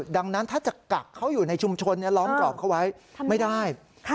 ดังนั้นถ้าจะกักเขาอยู่ในชุมชนล้อมกรอบเขาไว้ไม่ได้